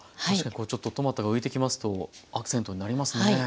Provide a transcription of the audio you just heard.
確かにちょっとトマトが浮いてきますとアクセントになりますね。